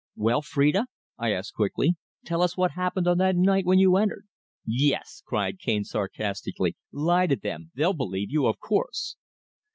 "Well, Phrida?" I asked quickly. "Tell us what happened on that night when you entered." "Yes," cried Cane sarcastically, "Lie to them they'll believe you, of course!"